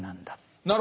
なるほど。